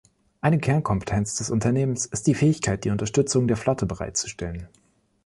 Eine Kernkompetenz des Unternehmens ist die Fähigkeit, die Unterstützung der Flotte bereitzustellen.